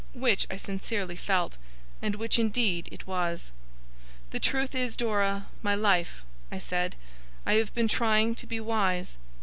Which I sincerely felt, and which indeed it was. 'The truth is, Dora, my life,' I said; 'I have been trying to be wise.